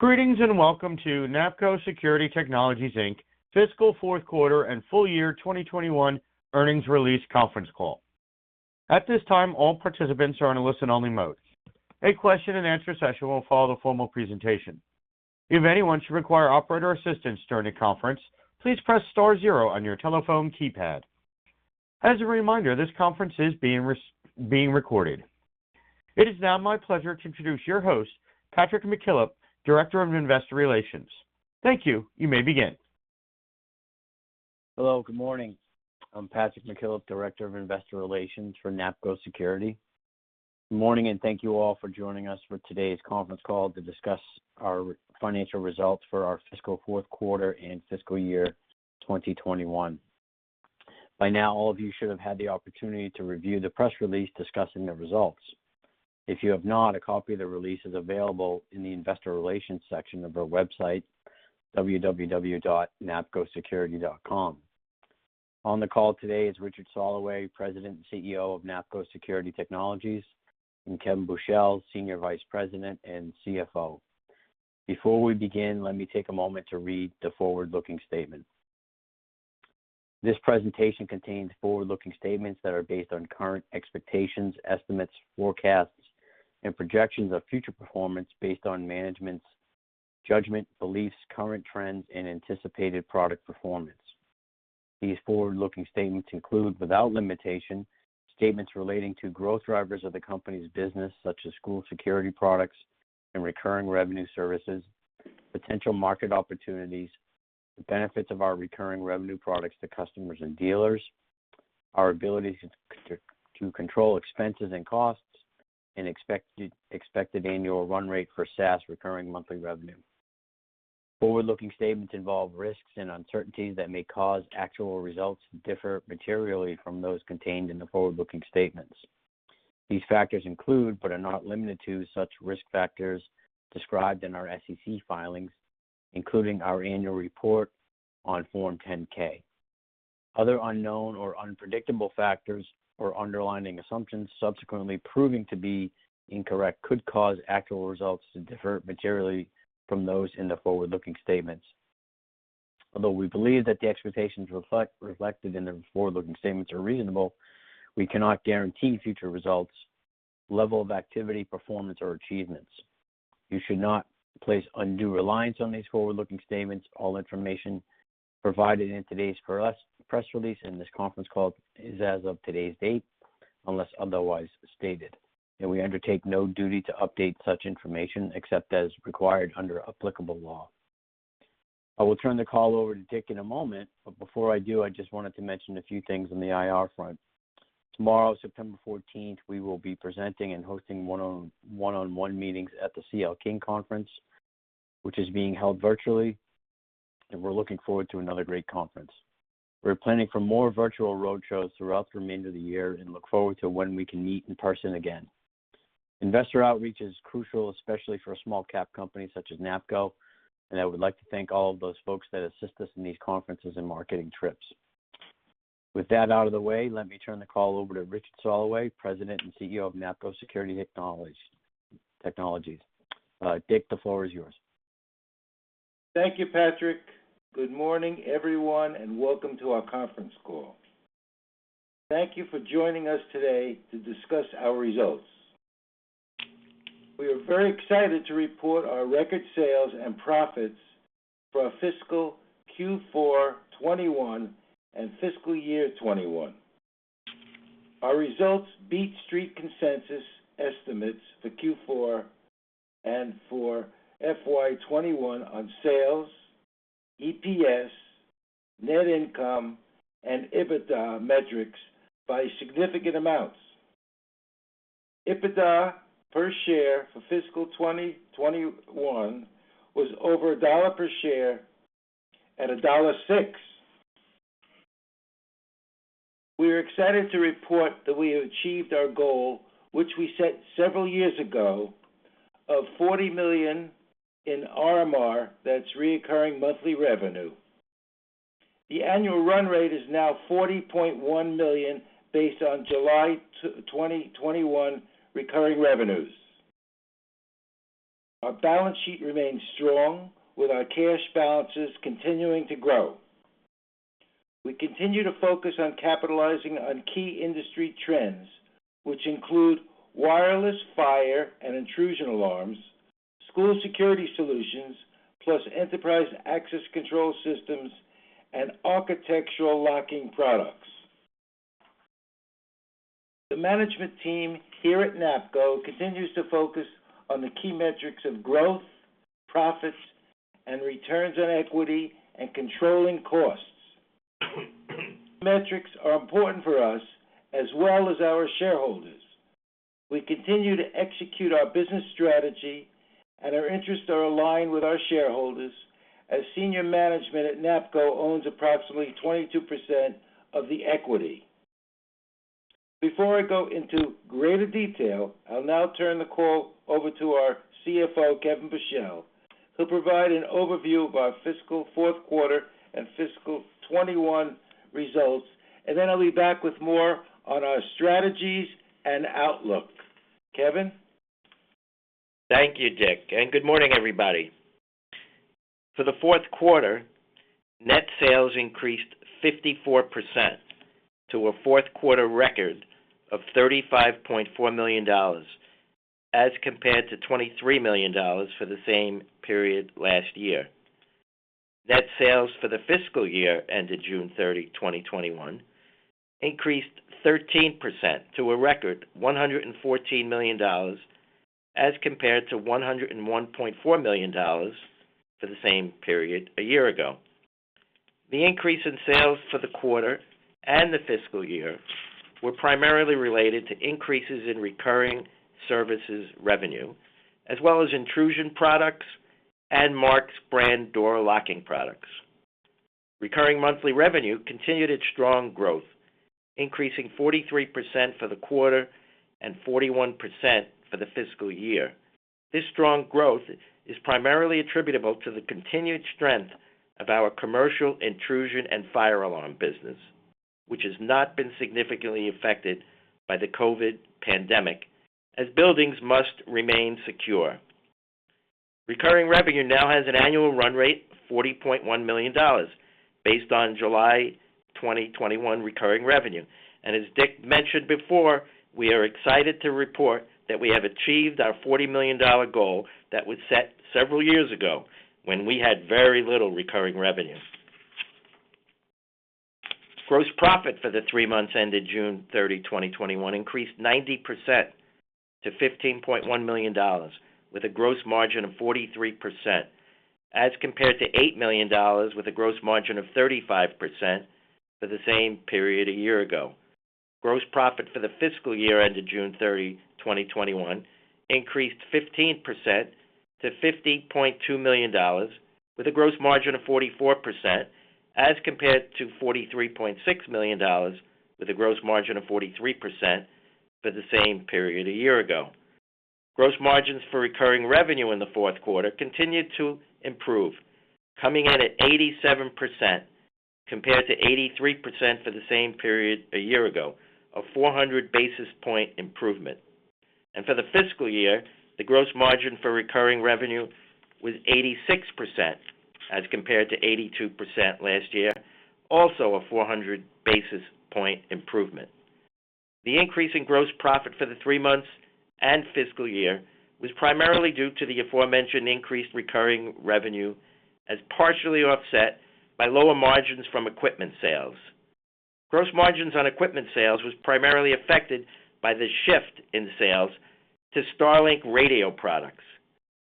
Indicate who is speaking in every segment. Speaker 1: Greetings and welcome to NAPCO Security Technologies, Inc. fiscal fourth quarter and full-year 2021 earnings release conference call. At this time, all participants are in a listen-only mode. A question-and-answer session will follow the formal presentation. If anyone should require operator assistance during the conference, please press star zero on your telephone keypad. As a reminder, this conference is being recorded. It is now my pleasure to introduce your host, Patrick McKillop, Director of Investor Relations. Thank you. You may begin.
Speaker 2: Hello, good morning. I'm Patrick McKillop, Director of Investor Relations for NAPCO Security. Good morning, thank you all for joining us for today's conference call to discuss our financial results for our fiscal fourth quarter and fiscal year 2021. By now, all of you should have had the opportunity to review the press release discussing the results. If you have not, a copy of the release is available in the investor relations section of our website, www.napcosecurity.com. On the call today is Richard Soloway, President and CEO of NAPCO Security Technologies, and Kevin Buchel, Senior Vice President and CFO. Before we begin, let me take a moment to read the forward-looking statement. This presentation contains forward-looking statements that are based on current expectations, estimates, forecasts, and projections of future performance based on management's judgment, beliefs, current trends, and anticipated product performance. These forward-looking statements include, without limitation, statements relating to growth drivers of the company's business such as school security products and recurring revenue services, potential market opportunities, the benefits of our recurring revenue products to customers and dealers, our ability to control expenses and costs, and expected annual run rate for SaaS recurring monthly revenue. Forward-looking statements involve risks and uncertainties that may cause actual results to differ materially from those contained in the forward-looking statements. These factors include, but are not limited to, such risk factors described in our SEC filings, including our annual report on Form 10-K. Other unknown or unpredictable factors or underlying assumptions subsequently proving to be incorrect could cause actual results to differ materially from those in the forward-looking statements. Although we believe that the expectations reflected in the forward-looking statements are reasonable, we cannot guarantee future results, level of activity, performance, or achievements. You should not place undue reliance on these forward-looking statements. All information provided in today's press release and this conference call is as of today's date, unless otherwise stated, we undertake no duty to update such information except as required under applicable law. I will turn the call over to Dick in a moment, but before I do, I just wanted to mention a few things on the IR front. Tomorrow, September 14th, we will be presenting and hosting one-on-one meetings at the C.L. King Conference, which is being held virtually, we're looking forward to another great conference. We're planning for more virtual road shows throughout the remainder of the year and look forward to when we can meet in person again. Investor outreach is crucial, especially for a small cap company such as NAPCO, and I would like to thank all of those folks that assist us in these conferences and marketing trips. With that out of the way, let me turn the call over to Richard Soloway, President and CEO of NAPCO Security Technologies. Dick, the floor is yours.
Speaker 3: Thank you, Patrick. Good morning, everyone, and welcome to our conference call. Thank you for joining us today to discuss our results. We are very excited to report our record sales and profits for our fiscal Q4 2021 and fiscal year 2021. Our results beat street consensus estimates for Q4 and for FY 2021 on sales, EPS, net income, and EBITDA metrics by significant amounts. EBITDA per share for fiscal 2021 was over $1 per share at $1.06. We are excited to report that we have achieved our goal, which we set several years ago, of $40 million in RMR. That's recurring monthly revenue. The annual run rate is now $40.1 million based on July 2021 recurring revenues. Our balance sheet remains strong, with our cash balances continuing to grow. We continue to focus on capitalizing on key industry trends, which include wireless fire and intrusion alarms, school security solutions, plus enterprise access control systems and architectural locking products. The management team here at NAPCO continues to focus on the key metrics of growth, profits, and returns on equity and controlling costs. Metrics are important for us as well as our shareholders. We continue to execute our business strategy, and our interests are aligned with our shareholders as senior management at NAPCO owns approximately 22% of the equity. Before I go into greater detail, I'll now turn the call over to our CFO Kevin Buchel. He'll provide an overview of our fiscal fourth quarter and fiscal 2021 results, and then I'll be back with more on our strategies and outlook. Kevin?
Speaker 4: Thank you, Dick, good morning, everybody. For the fourth quarter, net sales increased 54% to a fourth-quarter record of $35.4 million, as compared to $23 million for the same period last year. Net sales for the fiscal year ended June 30, 2021 increased 13% to a record $114 million, as compared to $101.4 million for the same period a year ago. The increase in sales for the quarter and the fiscal year were primarily related to increases in recurring services revenue, as well as intrusion products and Marks brand door locking products. Recurring monthly revenue continued its strong growth, increasing 43% for the quarter and 41% for the fiscal year. This strong growth is primarily attributable to the continued strength of our commercial intrusion and fire alarm business, which has not been significantly affected by the COVID pandemic, as buildings must remain secure. Recurring revenue now has an annual run rate of $40.1 million based on July 2021 recurring revenue. As Dick mentioned before, we are excited to report that we have achieved our $40 million goal that was set several years ago when we had very little recurring revenue. Gross profit for the three months ended June 30, 2021 increased 90% to $15.1 million with a gross margin of 43%, as compared to $8 million with a gross margin of 35% for the same period a year ago. Gross profit for the fiscal year ended June 30, 2021 increased 15% to $50.2 million with a gross margin of 44%, as compared to $43.6 million with a gross margin of 43% for the same period a year ago. Gross margins for recurring revenue in the fourth quarter continued to improve, coming in at 87% compared to 83% for the same period a year ago, a 400 basis point improvement. For the fiscal year, the gross margin for recurring revenue was 86% as compared to 82% last year, also a 400 basis point improvement. The increase in gross profit for the three months and fiscal year was primarily due to the aforementioned increased recurring revenue as partially offset by lower margins from equipment sales. Gross margins on equipment sales was primarily affected by the shift in sales to StarLink radio products,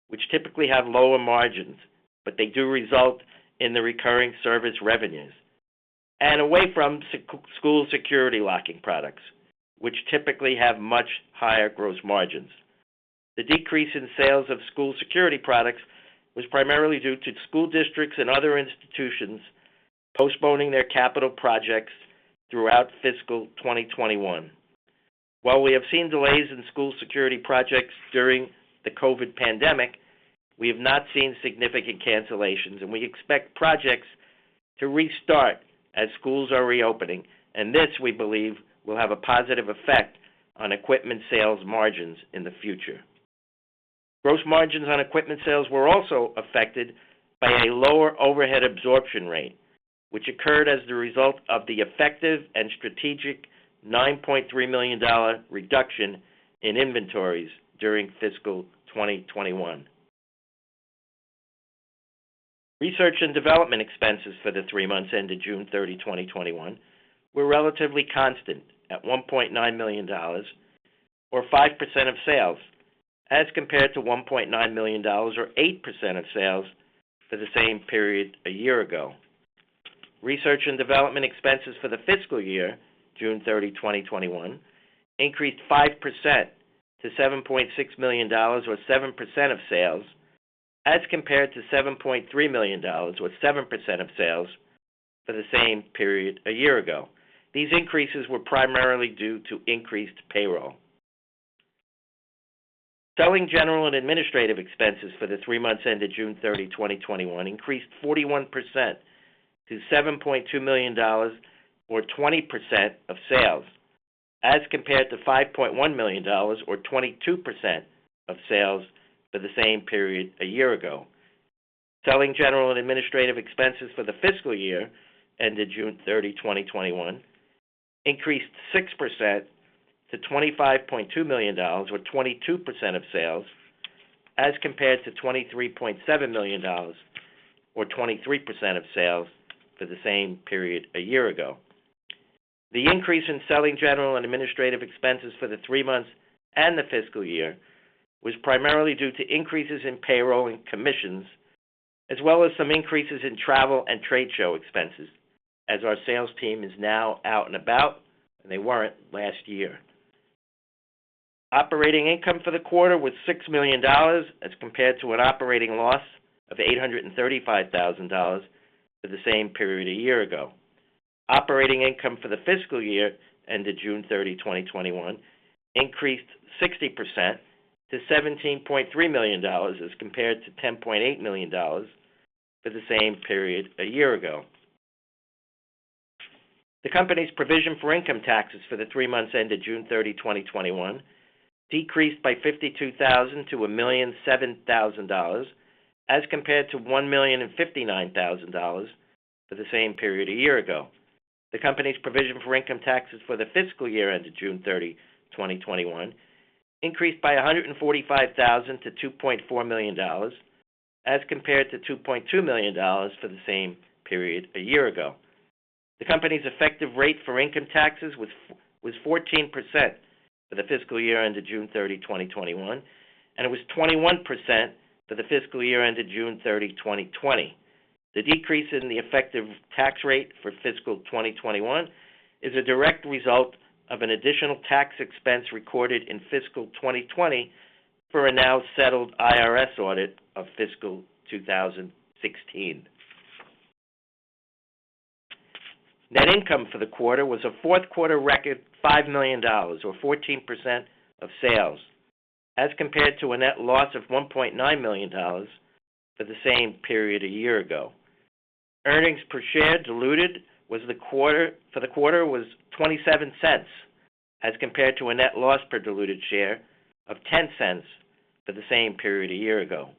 Speaker 4: which typically have lower margins, but they do result in the recurring service revenues. Away from school security locking products, which typically have much higher gross margins. The decrease in sales of school security products was primarily due to school districts and other institutions postponing their capital projects throughout fiscal 2021. While we have seen delays in school security projects during the COVID pandemic, we have not seen significant cancellations, and we expect projects to restart as schools are reopening, and this we believe will have a positive effect on equipment sales margins in the future. Gross margins on equipment sales were also affected by a lower overhead absorption rate, which occurred as the result of the effective and strategic $9.3 million reduction in inventories during fiscal 2021. Research and development expenses for the three months ended June 30, 2021, were relatively constant at $1.9 million or 5% of sales as compared to $1.9 million or 8% of sales for the same period a year ago. Research and development expenses for the fiscal year, June 30, 2021, increased 5% to $7.6 million or 7% of sales as compared to $7.3 million or 7% of sales for the same period a year ago. These increases were primarily due to increased payroll. Selling general and administrative expenses for the three months ended June 30, 2021, increased 41% to $7.2 million or 20% of sales as compared to $5.1 million or 22% of sales for the same period a year ago. Selling general and administrative expenses for the fiscal year ended June 30, 2021, increased 6% to $25.2 million or 22% of sales as compared to $23.7 million or 23% of sales for the same period a year ago. The increase in selling general and administrative expenses for the three months and the fiscal year was primarily due to increases in payroll and commissions, as well as some increases in travel and trade show expenses, as our sales team is now out and about, and they weren't last year. Operating income for the quarter was $6 million as compared to an operating loss of $835,000 for the same period a year ago. Operating income for the fiscal year ended June 30, 2021 increased 60% to $17.3 million as compared to $10.8 million for the same period a year ago. The company's provision for income taxes for the three months ended June 30, 2021 decreased by $52,000 to $1,007,000 as compared to $1,059,000 for the same period a year ago. The company's provision for income taxes for the fiscal year ended June 30, 2021 increased by $145,000 to $2.4 million as compared to $2.2 million for the same period a year ago. The company's effective rate for income taxes was 14% for the fiscal year ended June 30, 2021, and it was 21% for the fiscal year ended June 30, 2020. The decrease in the effective tax rate for fiscal 2021 is a direct result of an additional tax expense recorded in fiscal 2020 for a now settled IRS audit of fiscal 2016. Net income for the quarter was a fourth quarter record $5 million or 14% of sales as compared to a net loss of $1.9 million for the same period a year ago. Earnings per share diluted for the quarter was $0.27 as compared to a net loss per diluted share of $0.10 for the same period a year ago.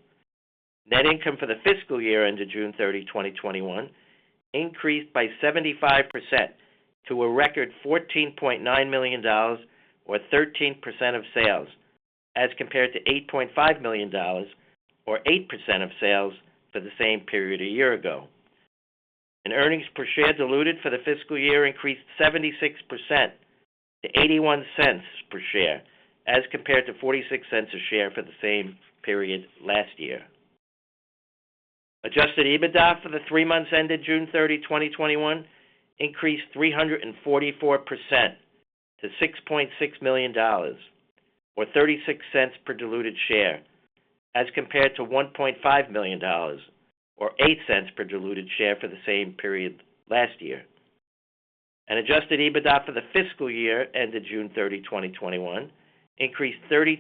Speaker 4: Net income for the fiscal year ended June 30, 2021, increased by 75% to a record $14.9 million or 13% of sales as compared to $8.5 million or 8% of sales for the same period a year ago. Earnings per share diluted for the fiscal year increased 76% to $0.81 per share as compared to $0.46 a share for the same period last year. Adjusted EBITDA for the three months ended June 30, 2021, increased 344% to $6.6 million or $0.36 per diluted share as compared to $1.5 million or $0.08 per diluted share for the same period last year. Adjusted EBITDA for the fiscal year ended June 30, 2021, increased 32%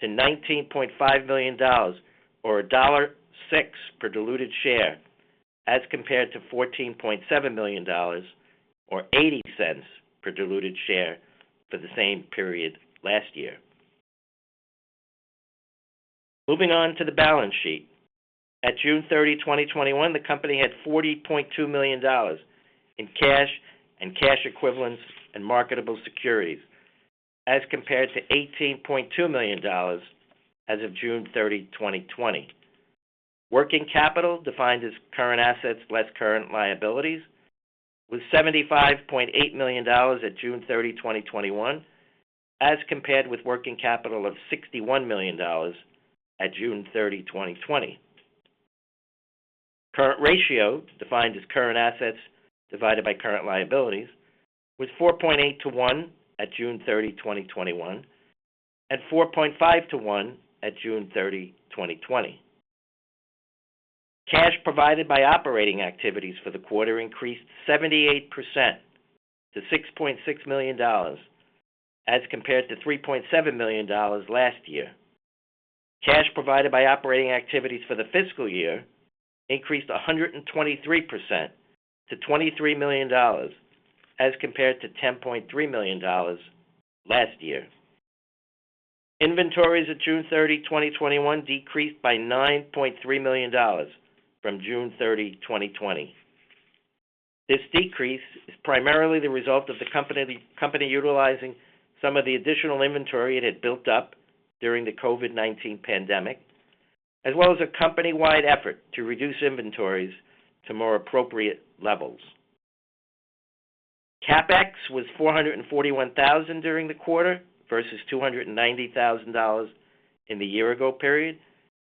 Speaker 4: to $19.5 million or $1.06 per diluted share as compared to $14.7 million or $0.80 per diluted share for the same period last year. Moving on to the balance sheet. At June 30, 2021, the company had $40.2 million in cash and cash equivalents and marketable securities as compared to $18.2 million as of June 30, 2020. Working capital, defined as current assets less current liabilities, was $75.8 million at June 30, 2021, as compared with working capital of $61 million at June 30, 2020. Current ratio, defined as current assets divided by current liabilities, was 4.8:1 at June 30, 2021 and 4.5:1 at June 30, 2020. Cash provided by operating activities for the quarter increased 78% to $6.6 million as compared to $3.7 million last year. Cash provided by operating activities for the fiscal year increased 123% to $23 million as compared to $10.3 million last year. Inventories at June 30, 2021 decreased by $9.3 million from June 30, 2020. This decrease is primarily the result of the company utilizing some of the additional inventory it had built up during the COVID-19 pandemic, as well as a company-wide effort to reduce inventories to more appropriate levels. CapEx was $441,000 during the quarter versus $290,000 in the year ago period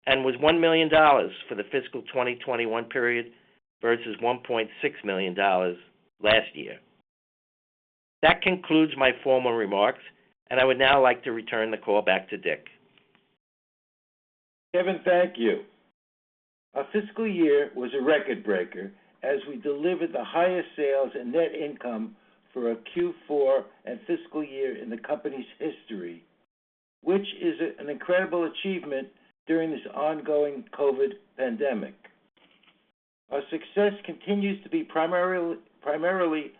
Speaker 4: and was $1 million for the fiscal 2021 period versus $1.6 million last year. That concludes my formal remarks, and I would now like to return the call back to Dick.
Speaker 3: Kevin, thank you. Our fiscal year was a record breaker as we delivered the highest sales and net income for a Q4 and fiscal year in the company's history, which is an incredible achievement during this ongoing COVID pandemic. Our success continues to be primarily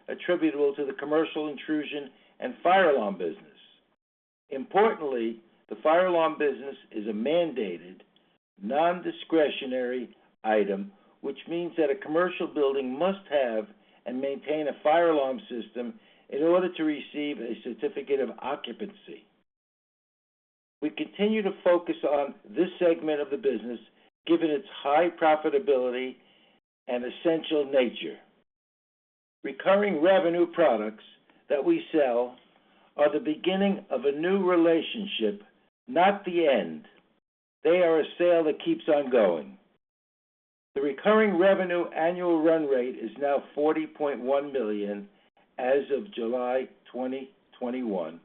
Speaker 3: attributable to the commercial intrusion and fire alarm business. Importantly, the fire alarm business is a mandated non-discretionary item, which means that a commercial building must have and maintain a fire alarm system in order to receive a certificate of occupancy. We continue to focus on this segment of the business, given its high profitability and essential nature. Recurring revenue products that we sell are the beginning of a new relationship, not the end. They are a sale that keeps on going. The recurring revenue annual run rate is now $40.1 million as of July 2021.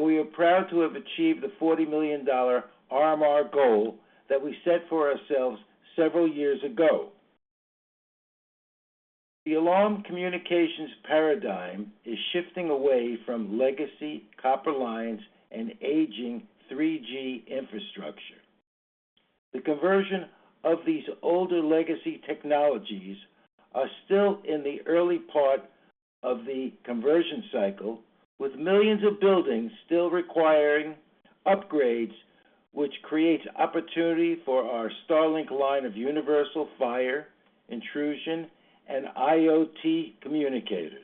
Speaker 3: We are proud to have achieved the $40 million RMR goal that we set for ourselves several years ago. The alarm communications paradigm is shifting away from legacy copper lines and aging 3G infrastructure. The conversion of these older legacy technologies are still in the early part of the conversion cycle, with millions of buildings still requiring upgrades, which creates opportunity for our StarLink line of universal fire, intrusion, and IoT communicators.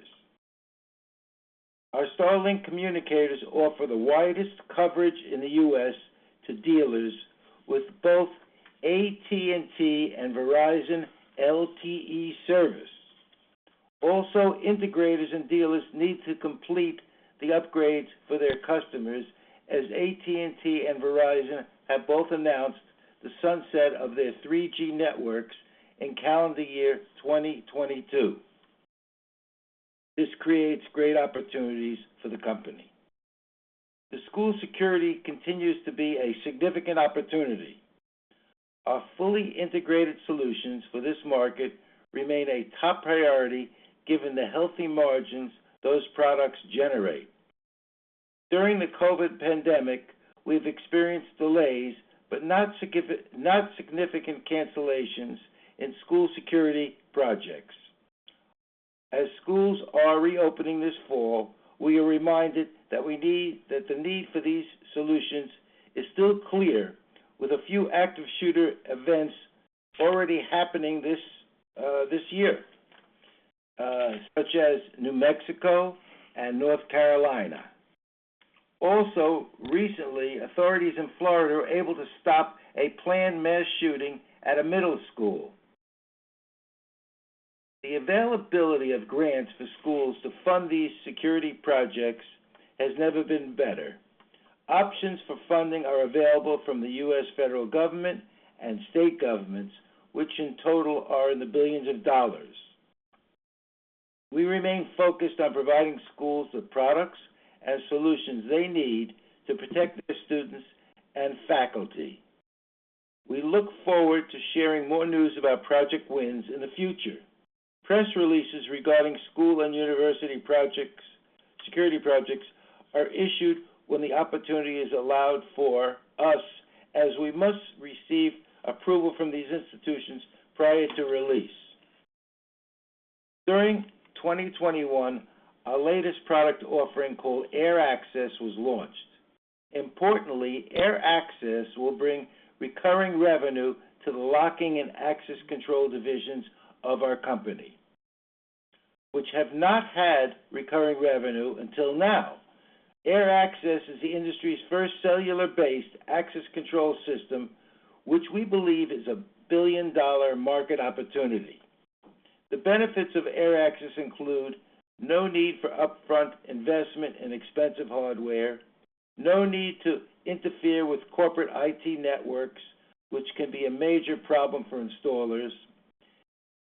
Speaker 3: Our StarLink communicators offer the widest coverage in the U.S. to dealers with both AT&T and Verizon LTE service. Integrators and dealers need to complete the upgrades for their customers as AT&T and Verizon have both announced the sunset of their 3G networks in calendar year 2022. This creates great opportunities for the company. The school security continues to be a significant opportunity. Our fully integrated solutions for this market remain a top priority given the healthy margins those products generate. During the COVID pandemic, we've experienced delays, not significant cancellations in school security projects. As schools are reopening this fall, we are reminded that the need for these solutions is still clear with a few active shooter events already happening this year, such as New Mexico and North Carolina. Also recently, authorities in Florida were able to stop a planned mass shooting at a middle school. The availability of grants for schools to fund these security projects has never been better. Options for funding are available from the U.S. federal government and state governments, which in total are in the billions of dollars. We remain focused on providing schools with products and solutions they need to protect their students and faculty. We look forward to sharing more news about project wins in the future. Press releases regarding school and university projects, security projects are issued when the opportunity is allowed for us as we must receive approval from these institutions prior to release. During 2021, our latest product offering called AirAccess was launched. Importantly, AirAccess will bring recurring revenue to the locking and access control divisions of our company, which have not had recurring revenue until now. AirAccess is the industry's first cellular-based access control system, which we believe is a billion-dollar market opportunity. The benefits of AirAccess include no need for upfront investment in expensive hardware, no need to interfere with corporate IT networks, which can be a major problem for installers,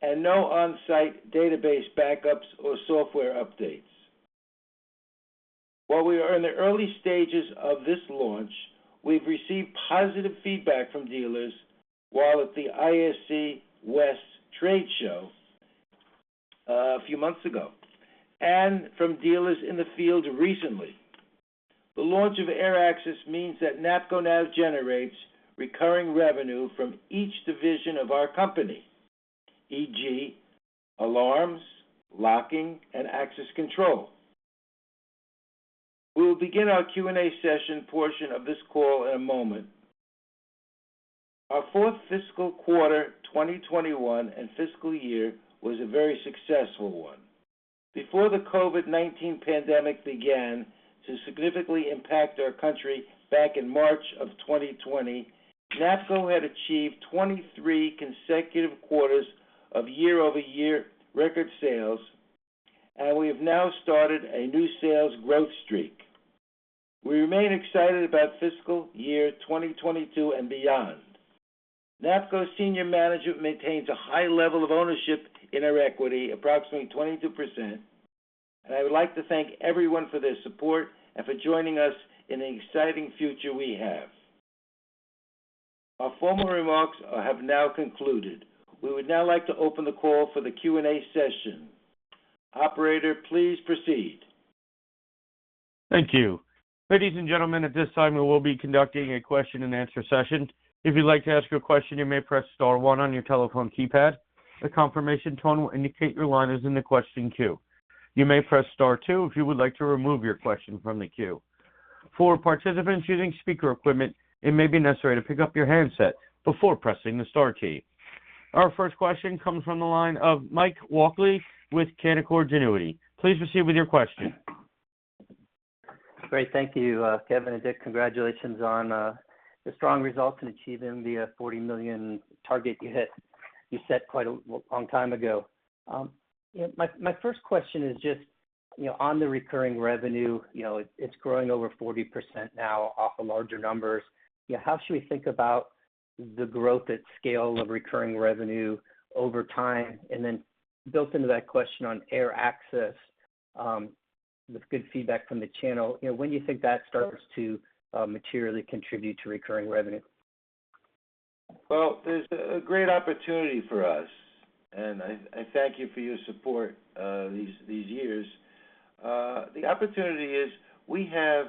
Speaker 3: and no on-site database backups or software updates. While we are in the early stages of this launch, we've received positive feedback from dealers while at the ISC West trade show a few months ago and from dealers in the field recently. The launch of AirAccess means that NAPCO now generates recurring revenue from each division of our company, e.g., alarms, locking, and access control. We will begin our Q&A session portion of this call in a moment. Our fourth fiscal quarter 2021, and fiscal year was a very successful one. Before the COVID-19 pandemic began to significantly impact our country back in March of 2020, NAPCO had achieved 23 consecutive quarters of year-over-year record sales, we have now started a new sales growth streak. We remain excited about fiscal year 2022 and beyond. NAPCO senior management maintains a high level of ownership in our equity, approximately 22%, and I would like to thank everyone for their support and for joining us in the exciting future we have. Our formal remarks have now concluded. We would now like to open the call for the Q&A session. Operator, please proceed.
Speaker 1: Thank you. Ladies and gentlemen, at this time, we will be conducting a question-and-answer session. If you'd like to ask a question, you may press star one on your telephone keypad. A confirmation tone will indicate your line is in the question queue. You may press star two if you would like to remove your question from the queue. For participants using speaker equipment, it may be necessary to pick up your handset before pressing the star key. Our first question comes from the line of Mike Walkley with Canaccord Genuity. Please proceed with your question.
Speaker 5: Great. Thank you, Kevin and Dick. Congratulations on the strong results in achieving the $40 million target you set quite a long time ago. You know, my first question is just, you know, on the recurring revenue, you know, it's growing over 40% now off of larger numbers. You know, how should we think about the growth at scale of recurring revenue over time? And then built into that question on AirAccess, with good feedback from the channel. You know, when you think that starts to materially contribute to recurring revenue?
Speaker 3: Well, there's a great opportunity for us, and I thank you for your support these years. The opportunity is we have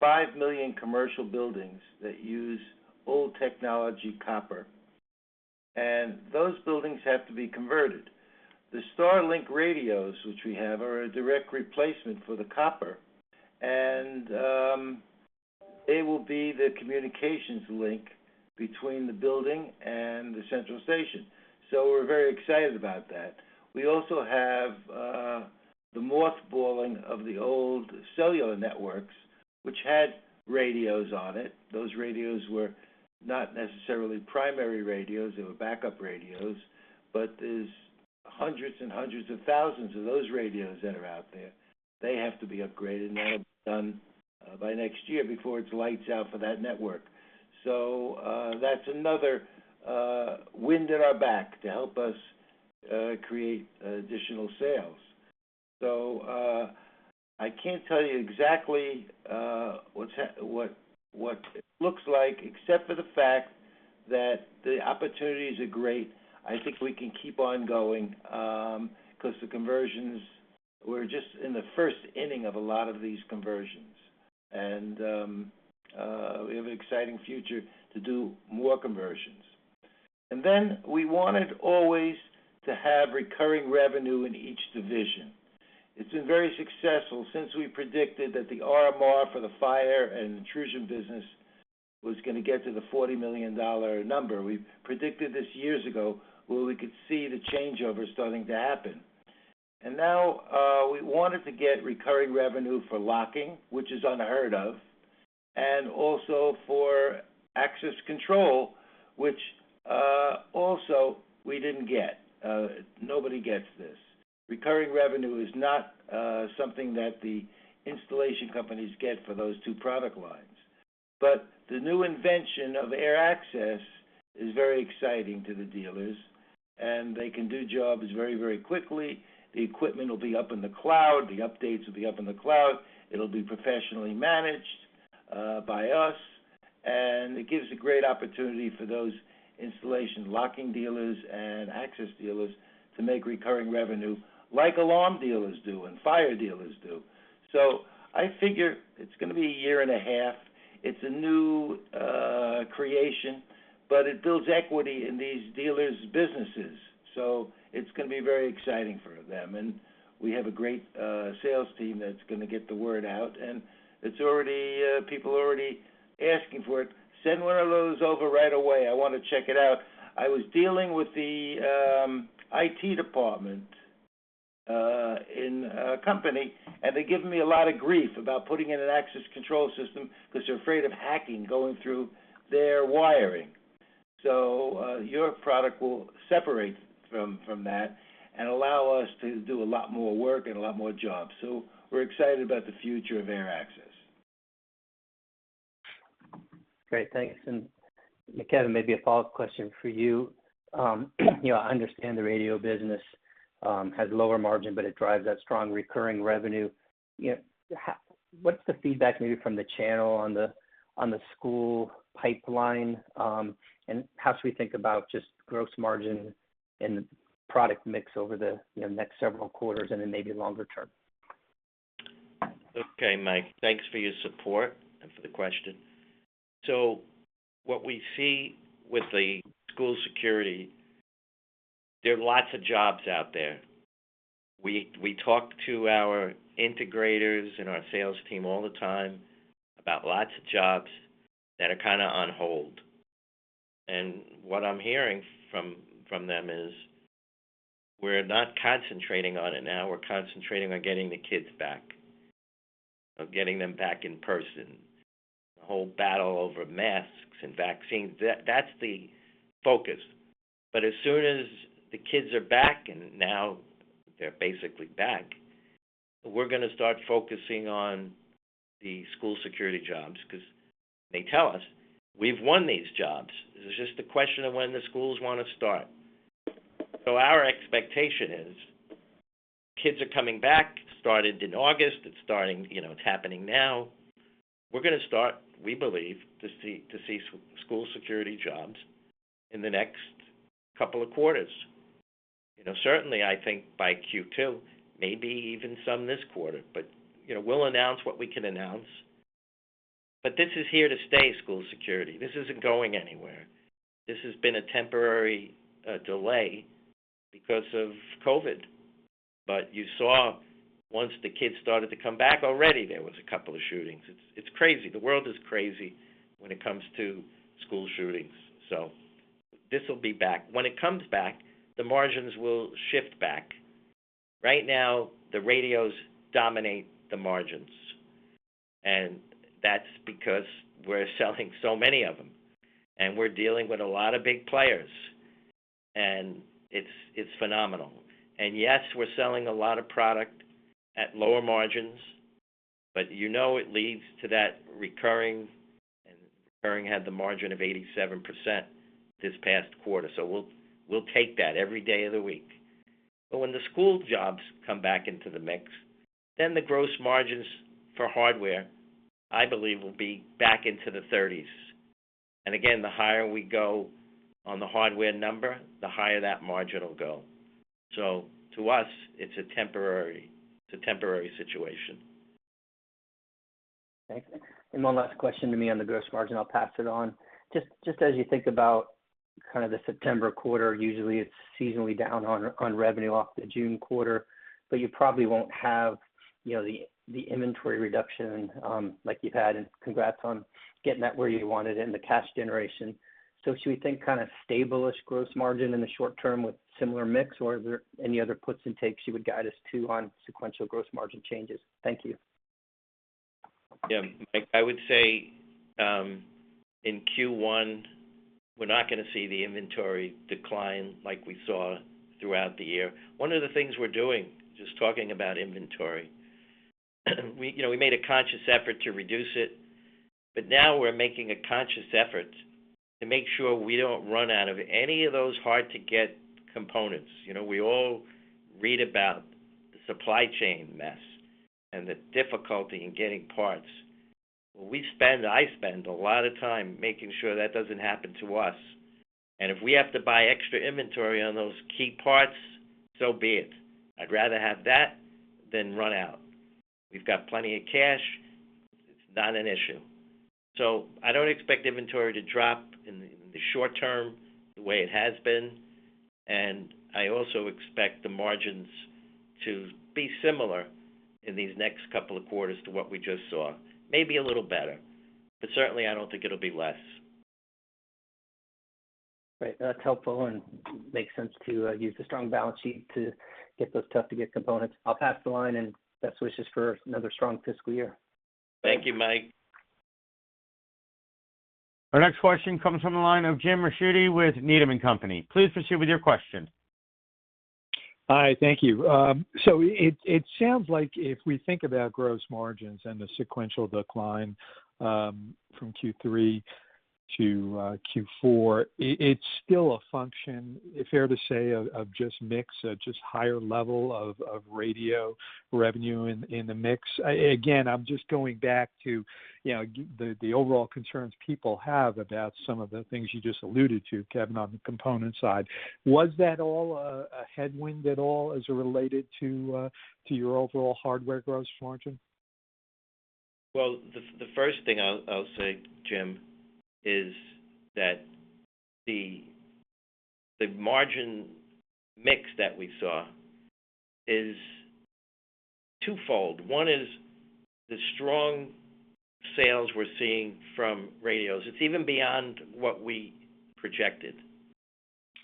Speaker 3: 5 million commercial buildings that use old technology copper, and those buildings have to be converted. The StarLink radios, which we have, are a direct replacement for the copper. It will be the communications link between the building and the central station. We're very excited about that. We also have the mothballing of the old cellular networks, which had radios on it. Those radios were not necessarily primary radios, they were backup radios, but there's hundreds and hundreds of thousands of those radios that are out there. They have to be upgraded, and that'll be done by next year before it's lights out for that network. That's another wind at our back to help us create additional sales. I can't tell you exactly what it looks like, except for the fact that the opportunities are great. I think we can keep on going, 'cause the conversions. We're just in the first inning of a lot of these conversions. We have an exciting future to do more conversions. And then, we wanted always to have recurring revenue in each division. It's been very successful since we predicted that the RMR for the fire and intrusion business was gonna get to the $40 million number. We predicted this years ago, where we could see the changeover starting to happen. Now, we wanted to get recurring revenue for locking, which is unheard of, and also for access control, which also we didn't get. Nobody gets this. Recurring revenue is not something that the installation companies get for those two product lines. The new invention of AirAccess is very exciting to the dealers, and they can do jobs very, very quickly. The equipment will be up in the cloud. The updates will be up in the cloud. It'll be professionally managed by us, and it gives a great opportunity for those installation locking dealers and access dealers to make recurring revenue like alarm dealers do and fire dealers do. I figure it's gonna be a year and a half. It's a new creation, but it builds equity in these dealers' businesses, so it's gonna be very exciting for them. We have a great sales team that's gonna get the word out, and it's already, people are already asking for it. "Send one of those over right away. I wanna check it out." I was dealing with the IT department in a company, and they're giving me a lot of grief about putting in an access control system because they're afraid of hacking going through their wiring. Your product will separate from that and allow us to do a lot more work and a lot more jobs. We're excited about the future of AirAccess.
Speaker 5: Great. Thanks. Kevin, maybe a follow-up question for you. You know, I understand the radio business has lower margin, but it drives that strong recurring revenue. You know, what's the feedback maybe from the channel on the school pipeline? How should we think about just gross margin and product mix over the, you know, next several quarters and then maybe longer term?
Speaker 4: Okay, Mike. Thanks for your support and for the question. So what we see with the school security, there are lots of jobs out there. We talk to our integrators and our sales team all the time about lots of jobs that are kinda on hold. What I'm hearing from them is, "We're not concentrating on it now. We're concentrating on getting the kids back, of getting them back in person." The whole battle over masks and vaccines, that's the focus. As soon as the kids are back, and now they're basically back, we're gonna start focusing on the school security jobs, 'cause they tell us, "We've won these jobs. It's just a question of when the schools wanna start." Our expectation is kids are coming back. It started in August. You know, it's happening now. We're gonna start, we believe, to see school security jobs in the next couple of quarters. You know, certainly, I think by Q2, maybe even some this quarter. You know, we'll announce what we can announce. This is here to stay, school security. This isn't going anywhere. This has been a temporary delay because of COVID. You saw once the kids started to come back, already there was a couple of shootings. It's crazy. The world is crazy when it comes to school shootings. This'll be back. When it comes back, the margins will shift back. Right now, the radios dominate the margins, and that's because we're selling so many of them, and we're dealing with a lot of big players. It's phenomenal. And yes, we're selling a lot of product at lower margins, you know it leads to that recurring, and recurring had the margin of 87% this past quarter. We'll take that every day of the week. When the school jobs come back into the mix, then the gross margins for hardware, I believe, will be back into the 30s. Again, the higher we go on the hardware number, the higher that margin will go. To us, it's a temporary situation.
Speaker 5: Okay. One last question to me on the gross margin, I'll pass it on. Just as you think about kind of the September quarter, usually it's seasonally down on revenue off the June quarter, but you probably won't have, you know, the inventory reduction like you've had. Congrats on getting that where you wanted and the cash generation. Should we think kind of stable-ish gross margin in the short term with similar mix, or are there any other puts and takes you would guide us to on sequential gross margin changes? Thank you.
Speaker 4: Yeah. Mike, I would say, in Q1, we're not gonna see the inventory decline like we saw throughout the year. One of the things we're doing, just talking about inventory, you know, we made a conscious effort to reduce it, now we're making a conscious effort to make sure we don't run out of any of those hard-to-get components. You know, we all read about the supply chain mess and the difficulty in getting parts. Well, I spend a lot of time making sure that doesn't happen to us. If we have to buy extra inventory on those key parts, so be it. I'd rather have that than run out. We've got plenty of cash. It's not an issue. I don't expect inventory to drop in the short term the way it has been, and I also expect the margins to be similar in these next couple of quarters to what we just saw. Maybe a little better, but certainly I don't think it'll be less.
Speaker 5: Great. That's helpful and makes sense to use the strong balance sheet to get those tough-to-get components. I'll pass the line. Best wishes for another strong fiscal year.
Speaker 4: Thank you, Mike.
Speaker 1: Our next question comes from the line of Jim Ricchiuti with Needham & Company. Please proceed with your question.
Speaker 6: Hi, thank you. It sounds like if we think about gross margins and the sequential decline from Q3 to Q4, it's still a function, fair to say, of just mix, just higher level of radio revenue in the mix. Again, I'm just going back to, you know, the overall concerns people have about some of the things you just alluded to, Kevin, on the component side. Was that all a headwind at all as it related to your overall hardware gross margin?
Speaker 4: Well, the first thing I'll say, Jim, is that the margin mix that we saw is twofold. One is the strong sales we're seeing from radios. It's even beyond what we projected.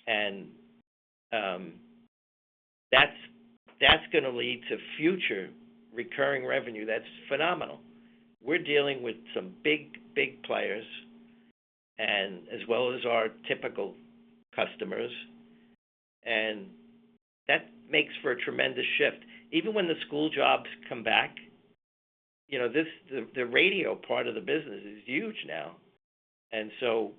Speaker 4: And that's gonna lead to future recurring revenue that's phenomenal. We're dealing with some big players and as well as our typical customers, and that makes for a tremendous shift. Even when the school jobs come back, you know, the radio part of the business is huge now. And so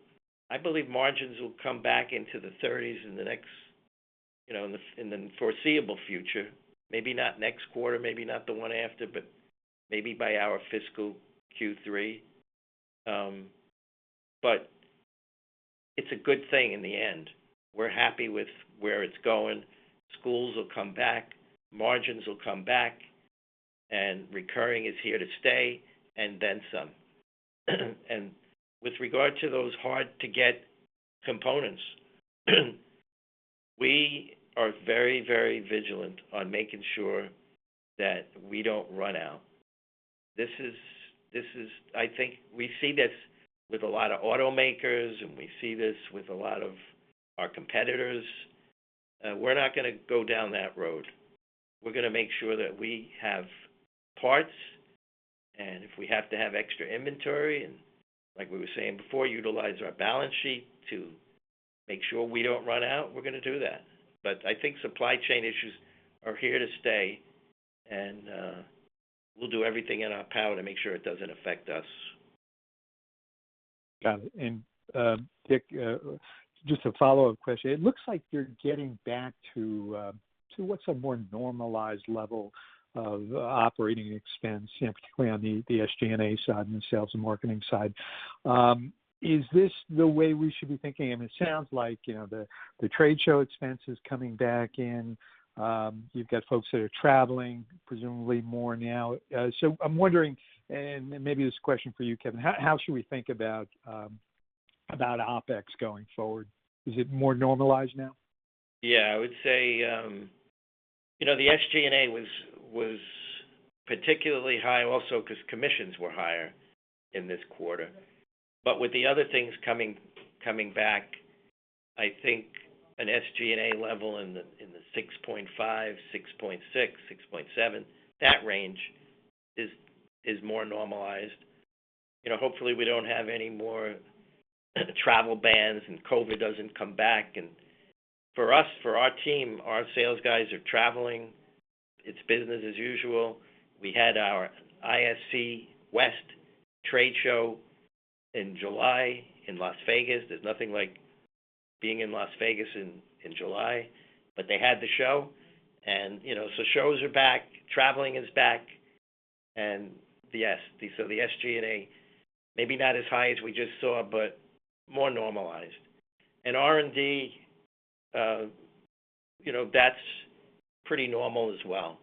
Speaker 4: I believe margins will come back into the 30s in the next, you know, in the foreseeable future. Maybe not next quarter, maybe not the one after, but maybe by our fiscal Q3. But it's a good thing in the end. We're happy with where it's going. Schools will come back, margins will come back. Recurring is here to stay and then some. With regard to those hard-to-get components, we are very, very vigilant on making sure that we don't run out. I think we see this with a lot of automakers, and we see this with a lot of our competitors. We're not gonna go down that road. We're gonna make sure that we have parts, and if we have to have extra inventory and, like we were saying before, utilize our balance sheet to make sure we don't run out, we're gonna do that. I think supply chain issues are here to stay, and we'll do everything in our power to make sure it doesn't affect us.
Speaker 6: Got it. Dick, just a follow-up question. It looks like you're getting back to what's a more normalized level of operating expense, you know, particularly on the SG&A side and the sales and marketing side. Is this the way we should be thinking? I mean, it sounds like, you know, the trade show expense is coming back, and you've got folks that are traveling presumably more now. I'm wondering, and maybe this is a question for you, Kevin, how should we think about OpEx going forward? Is it more normalized now?
Speaker 4: Yeah. I would say, you know, the SG&A was particularly high also 'cause commissions were higher in this quarter. With the other things coming back, I think an SG&A level in the 6.5, 6.6. 6.7, that range is more normalized. You know, hopefully we don't have any more travel bans and COVID doesn't come back. For us, for our team, our sales guys are traveling. It's business as usual. We had our ISC West trade show in July in Las Vegas. There's nothing like being in Las Vegas in July. They had the show and, you know, so shows are back, traveling is back. And yes, so the SG&A, maybe not as high as we just saw, but more normalized. R&D, you know, that's pretty normal as well.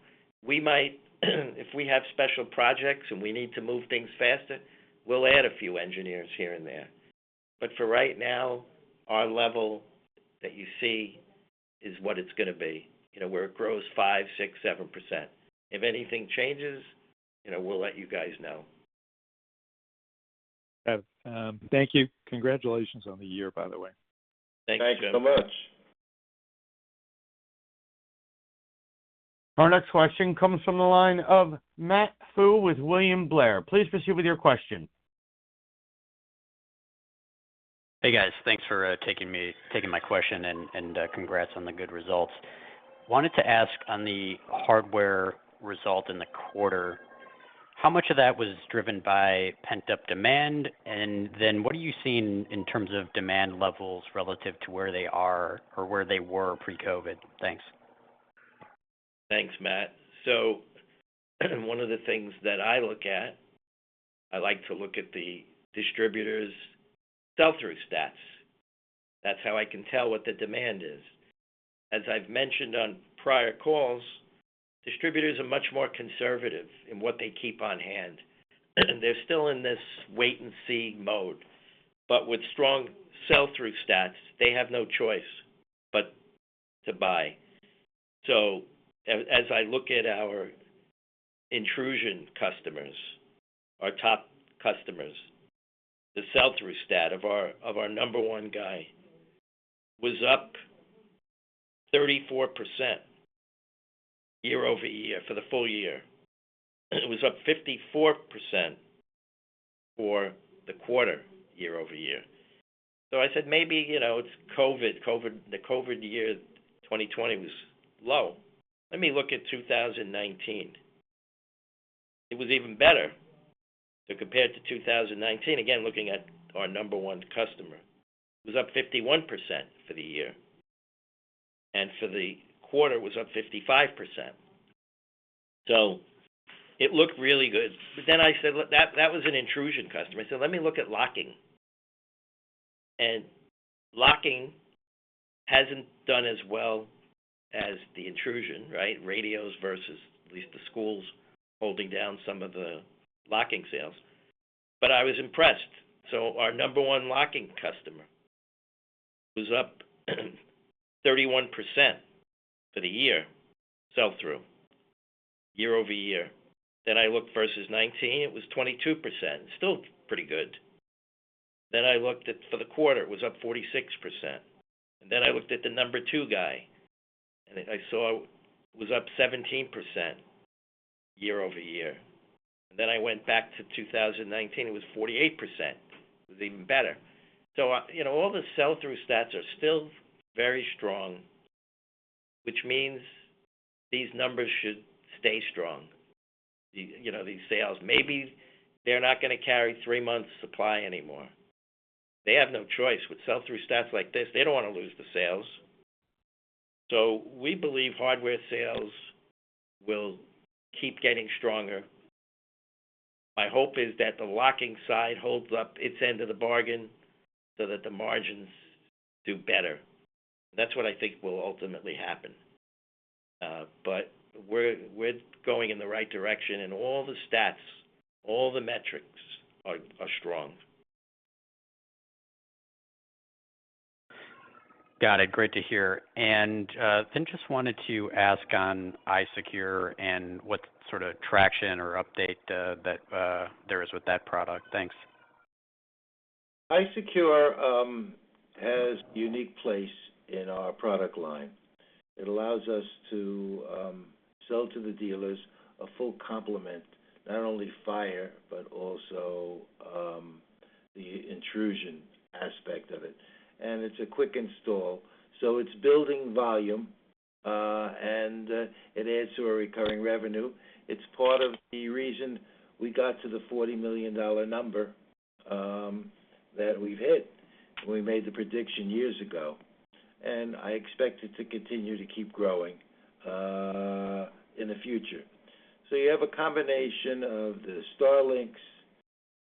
Speaker 4: We might, if we have special projects and we need to move things faster, we'll add a few engineers here and there. For right now, our level that you see is what it's going to be. You know, where it grows 5%, 6%, 7%. If anything changes, you know, we'll let you guys know.
Speaker 6: Yeah. Thank you. Congratulations on the year, by the way.
Speaker 4: Thanks, Jim.
Speaker 3: Thanks so much.
Speaker 1: Our next question comes from the line of Matt Pfau with William Blair. Please proceed with your question.
Speaker 7: Hey, guys. Thanks for taking my question and congrats on the good results. Wanted to ask on the hardware result in the quarter, how much of that was driven by pent-up demand? What are you seeing in terms of demand levels relative to where they are or where they were pre-COVID? Thanks.
Speaker 4: Thanks, Matt. So one of the things that I look at, I like to look at the distributors' sell-through stats. That's how I can tell what the demand is. As I've mentioned on prior calls, distributors are much more conservative in what they keep on hand, and they're still in this wait-and-see mode. With strong sell-through stats, they have no choice but to buy. As I look at our intrusion customers, our top customers, the sell-through stat of our, of our number one guy was up 34% year-over-year for the full year. It was up 54% for the quarter year-over-year. I said, "Maybe, you know, it's COVID. COVID, the COVID year 2020 was low. Let me look at 2019." It was even better. Compared to 2019, again, looking at our number one customer, it was up 51% for the year, and for the quarter it was up 55%. So it looked really good. I said, "Look, that was an intrusion customer." I said, "Let me look at locking." Locking hasn't done as well as the intrusion, right? Radios versus at least the schools holding down some of the locking sales. I was impressed. Our number one locking customer was up 31% for the year sell-through, year-over-year. I looked versus 2019, it was 22%. Still pretty good. I looked at, for the quarter, it was up 46%. I looked at the number two guy, and I saw it was up 17% year-over-year. Then I went back to 2019, it was 48%. It was even better. You know, all the sell-through stats are still very strong, which means these numbers should stay strong, these sales. Maybe they're not gonna carry three months' supply anymore. They have no choice. With sell-through stats like this, they don't wanna lose the sales. We believe hardware sales will keep getting stronger. My hope is that the locking side holds up its end of the bargain so that the margins do better. That's what I think will ultimately happen. We're going in the right direction, and all the stats, all the metrics are strong.
Speaker 7: Got it. Great to hear. Just wanted to ask on iSecure and what sort of traction or update, that, there is with that product. Thanks.
Speaker 3: iSecure has unique place in our product line. It allows us to sell to the dealers a full complement, not only fire, but also the intrusion aspect of it. It's a quick install, so it's building volume, and it adds to our recurring revenue. It's part of the reason we got to the $40 million number that we've hit when we made the prediction years ago. I expect it to continue to keep growing in the future. You have a combination of the StarLinks.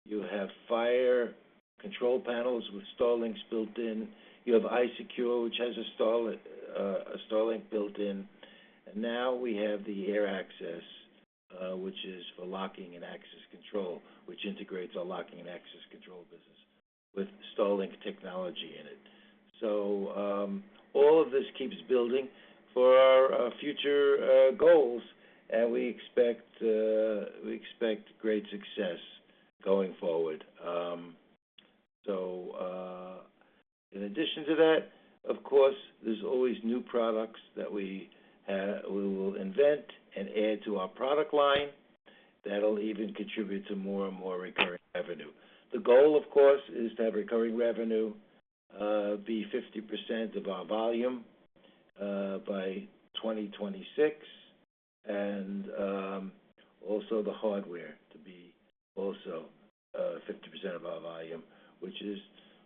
Speaker 3: You have fire control panels with StarLinks built in. You have iSecure, which has a StarLink built in. Now we have the AirAccess, which is for locking and access control, which integrates our locking and access control business with StarLink technology in it. All of this keeps building for our future goals, and we expect great success going forward. In addition to that, of course, there's always new products that we will invent and add to our product line that'll even contribute to more and more recurring revenue. The goal, of course, is to have recurring revenue be 50% of our volume by 2026. And also the hardware to be also 50% of our volume, which is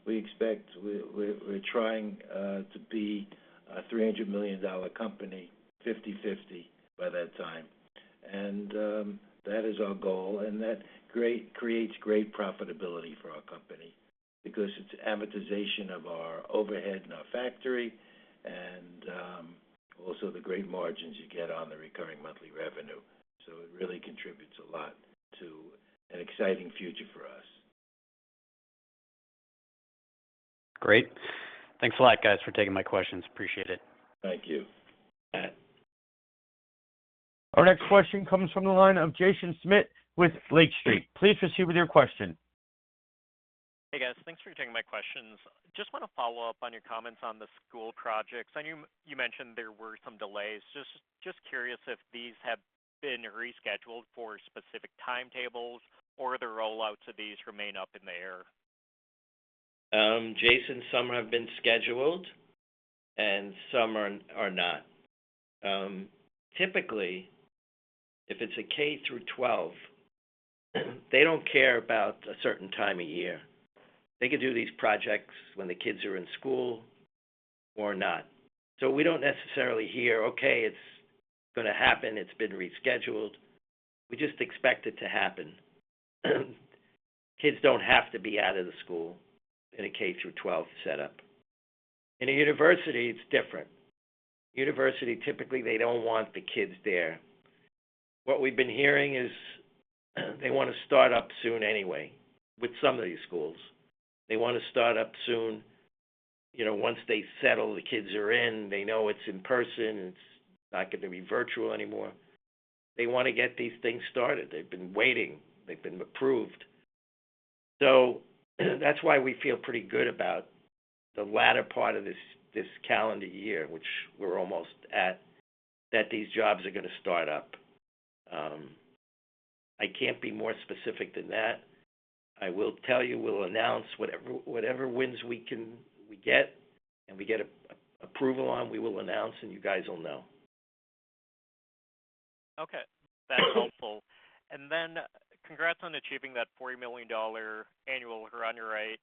Speaker 3: we expect we're trying to be a $300 million company, 50/50 by that time. That is our goal, and that creates great profitability for our company because it's amortization of our overhead and our factory and also the great margins you get on the recurring monthly revenue. It really contributes a lot to an exciting future for us.
Speaker 7: Great. Thanks a lot, guys, for taking my questions. Appreciate it.
Speaker 3: Thank you.
Speaker 4: Matt.
Speaker 1: Our next question comes from the line of Jaeson Schmidt with Lake Street. Please proceed with your question.
Speaker 8: Hey, guys. Thanks for taking my questions. Just wanna follow up on your comments on the school projects. I know you mentioned there were some delays. Just curious if these have been rescheduled for specific timetables or the rollouts of these remain up in the air?
Speaker 3: Jaeson, some have been scheduled and some are not. Typically, if it's a K-12, they don't care about a certain time of year. They could do these projects when the kids are in school or not. We don't necessarily hear, "Okay, it's gonna happen. It's been rescheduled." We just expect it to happen. Kids don't have to be out of the school in a K-12 setup. In a university, it's different. University, typically, they don't want the kids there. What we've been hearing is they wanna start up soon anyway, with some of these schools. They wanna start up soon. You know, once they settle, the kids are in, they know it's in person, it's not gonna be virtual anymore. They wanna get these things started. They've been waiting. They've been approved. So that's why we feel pretty good about the latter part of this calendar year, which we're almost at, that these jobs are gonna start up. I can't be more specific than that. I will tell you, we'll announce whatever wins we get, and we get approval on, we will announce, and you guys will know.
Speaker 8: Okay. That's helpful. And then congrats on achieving that $40 million annual run rate,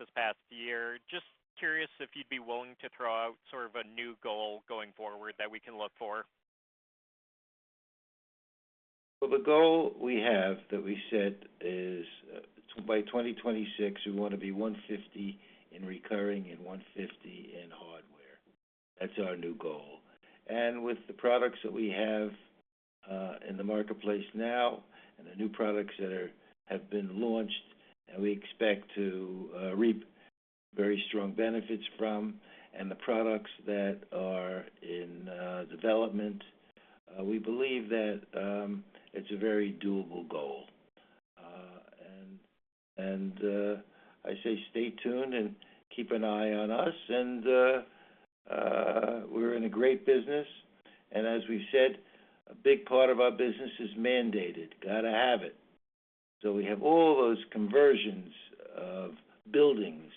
Speaker 8: this past year. Just curious if you'd be willing to throw out sort of a new goal going forward that we can look for.
Speaker 3: Well, the goal we have that we set is, by 2026, we wanna be $150 million in recurring and $150 million in hardware. That's our new goal. With the products that we have, in the marketplace now and the new products that have been launched, and we expect to reap very strong benefits from, and the products that are in development, we believe that it's a very doable goal. And I say stay tuned and keep an eye on us and, we're in a great business. As we said, a big part of our business is mandated, gotta have it. We have all those conversions of buildings,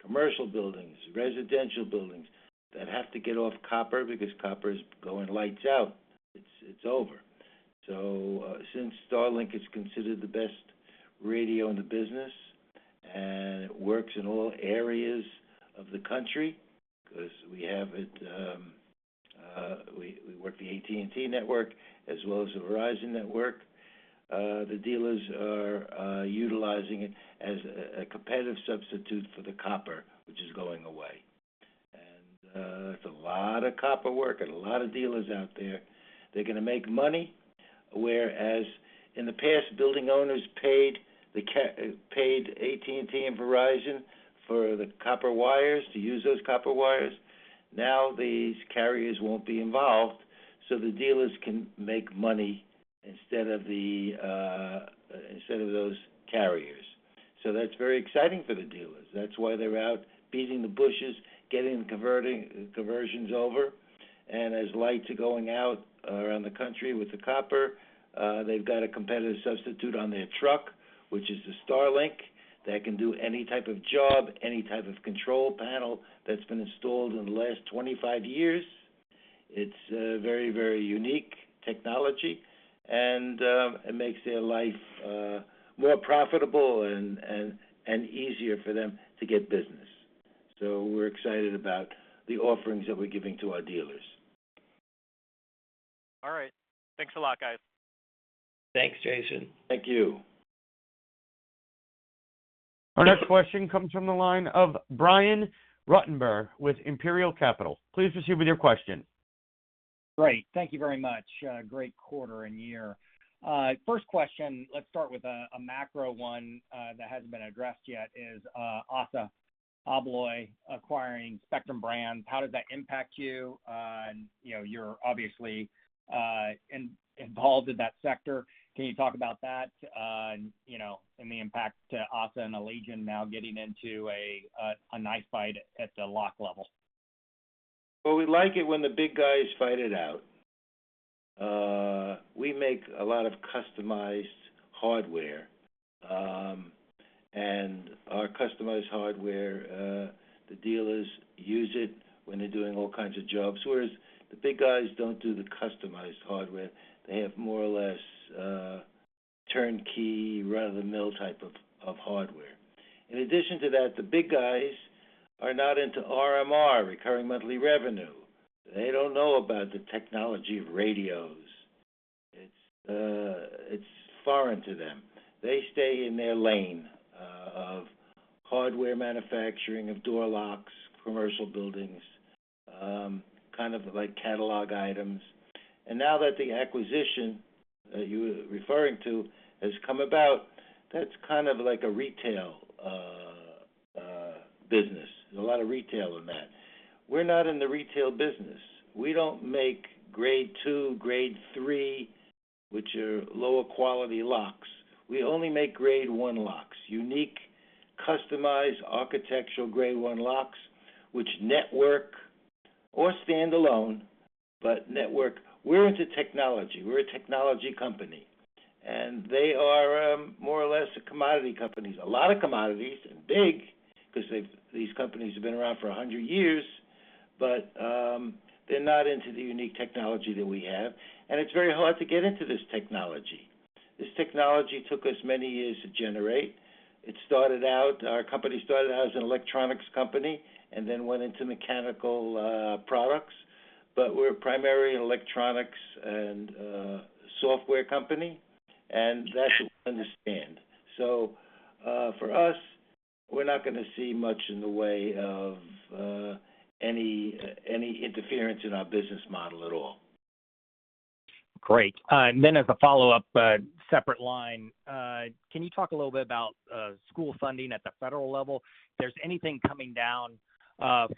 Speaker 3: commercial buildings, residential buildings that have to get off copper because copper is going lights out. It's over. So since StarLink is considered the best radio in the business, and it works in all areas of the country because we have it, we work the AT&T network as well as the Verizon network, the dealers are utilizing it as a competitive substitute for the copper, which is going away. That's a lot of copper work and a lot of dealers out there. They're gonna make money, whereas in the past, building owners paid AT&T and Verizon for the copper wires to use those copper wires. Now, these carriers won't be involved, so the dealers can make money instead of those carriers. That's very exciting for the dealers. That's why they're out beating the bushes, getting conversions over. As lights are going out around the country with the copper, they've got a competitive substitute on their truck, which is the StarLink, that can do any type of job, any type of control panel that's been installed in the last 25 years. It's a very unique technology, and it makes their life more profitable and easier for them to get business. We're excited about the offerings that we're giving to our dealers.
Speaker 8: All right. Thanks a lot, guys.
Speaker 3: Thanks, Jaeson.
Speaker 4: Thank you.
Speaker 1: Our next question comes from the line of Brian Ruttenbur with Imperial Capital. Please proceed with your question.
Speaker 9: Great. Thank you very much. Great quarter and year. First question, let's start with a macro one that hasn't been addressed yet, is ASSA ABLOY acquiring Spectrum Brands. How does that impact you? And, you're obviously involved in that sector. Can you talk about that, and, you know, and the impact to ASSA and Allegion now getting into a knife fight at the lock level?
Speaker 3: Well, we like it when the big guys fight it out. We make a lot of customized hardware. And our customized hardware, the dealers use it when they're doing all kinds of jobs, whereas the big guys don't do the customized hardware. They have more or less turnkey, run-of-the-mill type of hardware. In addition to that, the big guys are not into RMR, recurring monthly revenue. They don't know about the technology of radios. It's foreign to them. They stay in their lane of hardware manufacturing, of door locks, commercial buildings, kind of like catalog items. Now that the acquisition you were referring to has come about, that's kind of like a retail business. There's a lot of retail in that. We're not in the retail business. We don't make Grade 2, Grade 3, which are lower quality locks. We only make Grade 1 locks, unique, customized, architectural Grade 1 locks, which network or standalone, but network. We're into technology. We're a technology company. They are more or less a commodity companies. A lot of commodities and big, 'cause these companies have been around for 100 years, but they're not into the unique technology that we have. It's very hard to get into this technology. This technology took us many years to generate. Our company started out as an electronics company and then went into mechanical products. We're primarily an electronics and software company, that's what we understand. For us, we're not gonna see much in the way of any interference in our business model at all.
Speaker 9: Great. Then as a follow-up, but separate line, can you talk a little bit about school funding at the federal level? If there's anything coming down,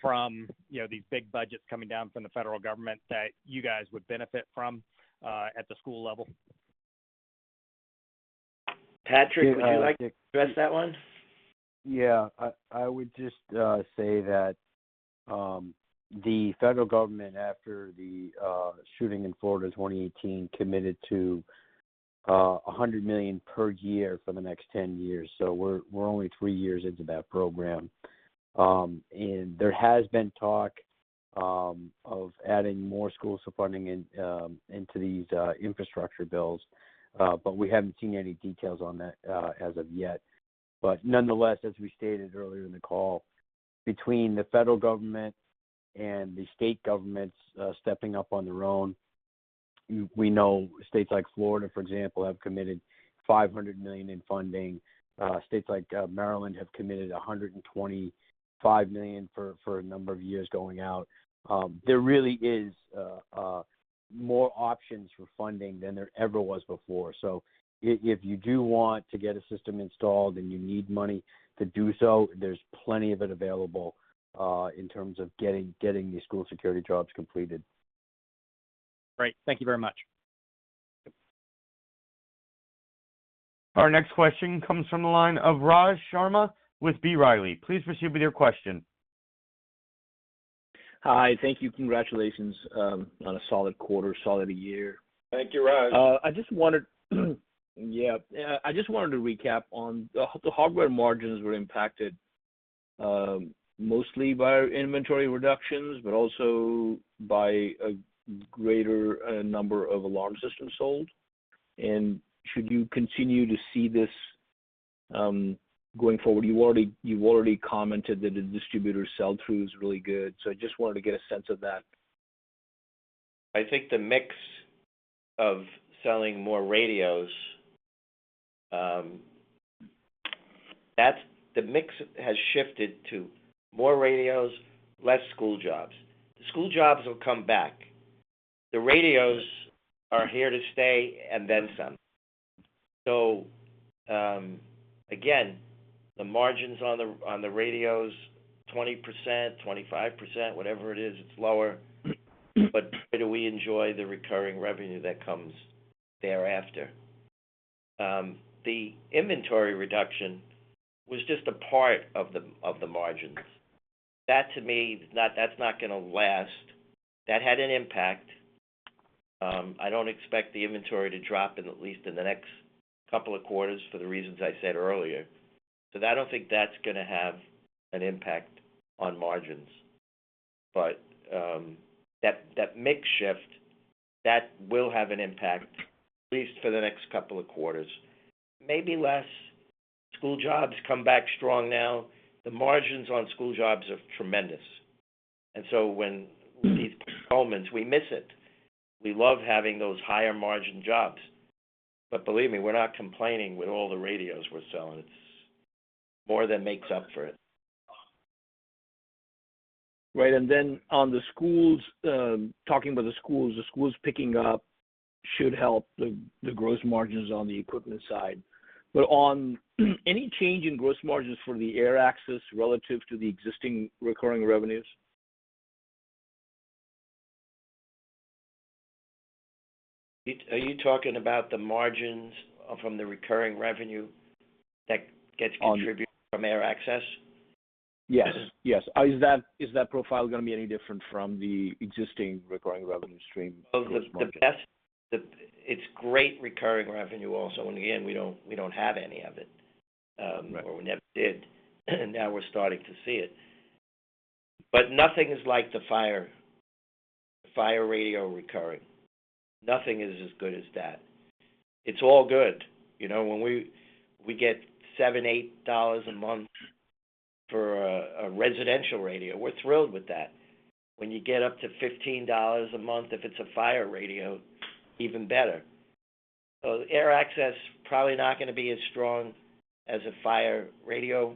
Speaker 9: from, you know, these big budgets coming down from the federal government that you guys would benefit from, at the school level?
Speaker 3: Patrick, would you like to address that one?
Speaker 2: Yeah. I would just say that the federal government, after the shooting in Florida 2018, committed to $100 million per year for the next 10 years. We're only three years into that program. There has been talk of adding more school funding into these infrastructure bills. We haven't seen any details on that as of yet. Nonetheless, as we stated earlier in the call, between the federal government and the state governments stepping up on their own, we know states like Florida, for example, have committed $500 million in funding. States like Maryland have committed $125 million for a number of years going out. There really is more options for funding than there ever was before. So if you do want to get a system installed and you need money to do so, there's plenty of it available, in terms of getting these school security jobs completed.
Speaker 9: Great. Thank you very much.
Speaker 2: Yep.
Speaker 1: Our next question comes from the line of Raj Sharma with B. Riley. Please proceed with your question.
Speaker 10: Hi. Thank you. Congratulations, on a solid quarter, solid year.
Speaker 3: Thank you, Raj.
Speaker 10: I just wanted to recap on the hardware margins were impacted, mostly by inventory reductions, but also by a greater number of alarm systems sold. And should you continue to see this going forward? You already commented that the distributor sell-through is really good, so I just wanted to get a sense of that.
Speaker 4: I think the mix of selling more radios, the mix has shifted to more radios, less school jobs. The school jobs will come back. The radios are here to stay and then some. So again, the margins on the radios, 20%, 25%, whatever it is, it's lower. Whether we enjoy the recurring revenue that comes thereafter. The inventory reduction was just a part of the margins. That to me, that's not gonna last. That had an impact. I don't expect the inventory to drop in, at least in the next couple of quarters for the reasons I said earlier. I don't think that's gonna have an impact on margins. But that mix shift, that will have an impact at least for the next couple of quarters, maybe less. School jobs come back strong now. The margins on school jobs are tremendous. So when these postponements, we miss it. We love having those higher margin jobs. Believe me, we're not complaining with all the radios we're selling. It's more than makes up for it.
Speaker 10: Right. Then on the schools, talking about the schools, the schools picking up should help the gross margins on the equipment side. On any change in gross margins for the AirAccess relative to the existing recurring revenues?
Speaker 4: Are you talking about the margins from the recurring revenue that gets contributed from AirAccess?
Speaker 10: Yes. Yes. Is that profile gonna be any different from the existing recurring revenue stream towards market?
Speaker 4: Well, it's great recurring revenue also. Again, we don't have any of it. We never did, now we're starting to see it. Nothing is like the fire radio recurring. Nothing is as good as that. It's all good. You know, when we get $7, $8 a month for a residential radio, we're thrilled with that. When you get up to $15 a month, if it's a fire radio, even better. AirAccess, probably not gonna be as strong as a fire radio.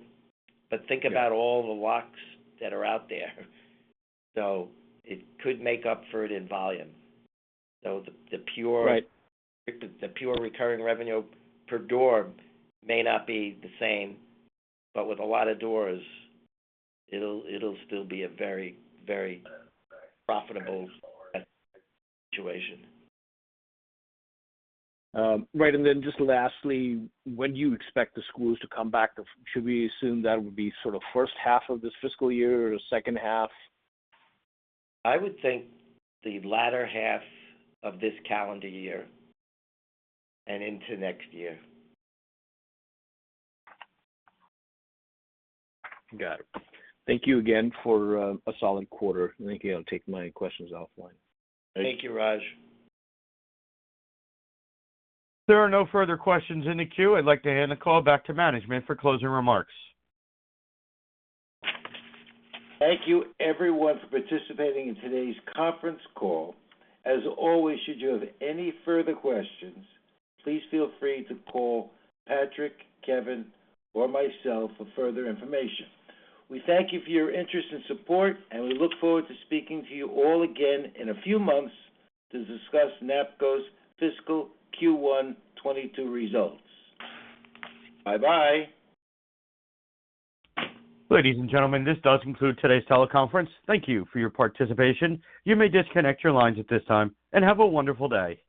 Speaker 4: Think about all the locks that are out there. It could make up for it in volume.
Speaker 10: Right.
Speaker 4: The pure recurring revenue per door may not be the same, but with a lot of doors, it'll still be a very, very profitable situation.
Speaker 10: Right. Just lastly, when do you expect the schools to come back? Should we assume that would be sort of first half of this fiscal year or second half?
Speaker 4: I would think the latter half of this calendar year and into next year.
Speaker 10: Got it. Thank you again for a solid quarter. Thank you. I'll take my questions offline.
Speaker 4: Thank you, Raj.
Speaker 1: There are no further questions in the queue. I'd like to hand the call back to management for closing remarks.
Speaker 3: Thank you everyone for participating in today's conference call. As always, should you have any further questions, please feel free to call Patrick, Kevin, or myself for further information. We thank you for your interest and support, and we look forward to speaking to you all again in a few months to discuss NAPCO's fiscal Q1 2022 results. Bye-bye.
Speaker 1: Ladies and gentlemen, this does conclude today's teleconference. Thank you for your participation. You may disconnect your lines at this time, and have a wonderful day.